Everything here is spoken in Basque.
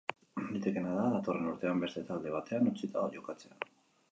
Litekeena da datorren urtean beste talde batean utzita jokatzea.